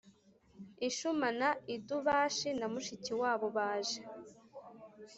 Ishuma na Idubashi na mushiki wabo baje